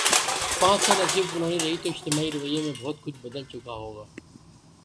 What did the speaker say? پانچ سال ایسی حکمرانی رہی تو اجتماعی رویوں میں بہت کچھ بدل چکا ہو گا۔